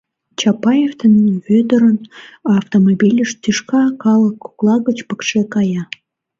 Чапаев ден Вӧдырын автомобильышт тӱшка калык кокла гыч пыкше кая.